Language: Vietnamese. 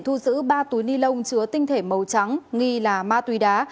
thu giữ ba túi ni lông chứa tinh thể màu trắng nghi là ma túy đá